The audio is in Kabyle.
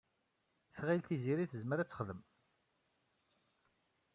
Tɣil Tiziri tezmer ad t-texdem.